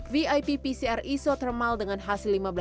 vip pcr isotermal dengan hasilnya rp satu dua juta